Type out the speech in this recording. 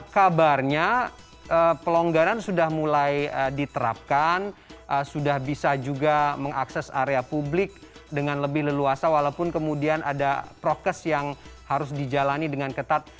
kabarnya pelonggaran sudah mulai diterapkan sudah bisa juga mengakses area publik dengan lebih leluasa walaupun kemudian ada prokes yang harus dijalani dengan ketat